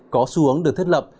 có xuống được thiết lập